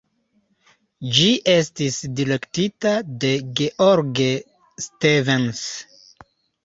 Ĝi estis direktita de George Stevens.